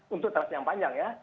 untuk trust yang panjang ya